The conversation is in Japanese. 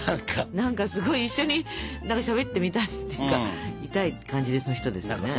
何かすごい一緒にしゃべってみたいっていうかみたい感じの人ですよね。